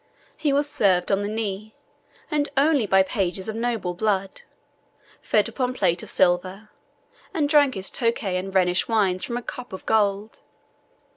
He was served on the knee, and only by pages of noble blood, fed upon plate of silver, and drank his Tokay and Rhenish wines from a cup of gold.